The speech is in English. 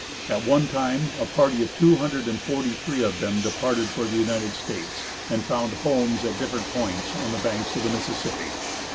At one time a party of two hundred and forty three of them departed for the United States, and found homes at different points on the banks of the Mississippi.